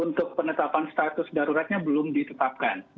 untuk penetapan status daruratnya belum ditetapkan